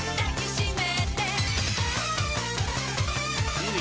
「いいね。